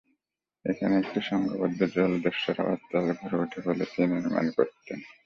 এখানে একটি সংঘবদ্ধ জলদস্যুদের আবাসস্থল গড়ে ওঠে বলে তিনি অনুমান করেছেন।